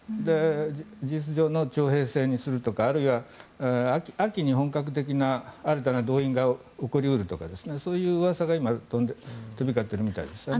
事実上の徴兵制にするとかあるいは、秋に本格的な新たな動員が起こり得るとかそういううわさが今、飛び交ってるみたいですね。